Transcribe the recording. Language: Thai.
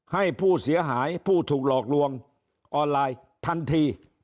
ให้ผู้เสียหายผู้ถูกหลอกลวงออนไลน์ทันที